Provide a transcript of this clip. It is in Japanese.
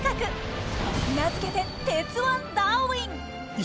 名付けて「鉄腕ダーウィン」！